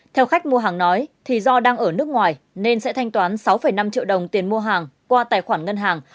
theo khách mua hàng nói thì do đang ở nước ngoài nên sẽ thanh toán sáu năm triệu đồng tiền mua hàng qua tài khoản ngân hàng